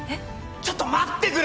ちょっと待ってくれよ！